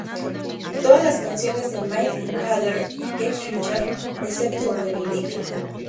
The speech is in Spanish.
Todas las canciones de Mick Jagger y Keith Richards, excepto donde lo indica.